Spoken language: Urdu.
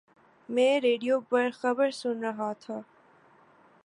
میں ریڈیو پر خبر سن رہا تھا